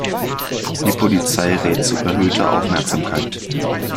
Die Polizei rät zu erhöhter Aufmerksamkeit.